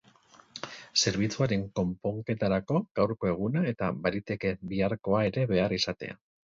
Zerbitzuaren konponketarako gaurko eguna eta baliteke biharkoa ere behar izatea.